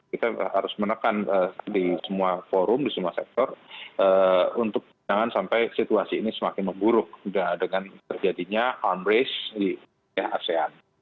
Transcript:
kita harus menekan di semua forum di semua sektor untuk jangan sampai situasi ini semakin memburuk dengan terjadinya unrace di asean